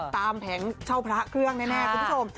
แผงเช่าพระเครื่องแน่คุณผู้ชม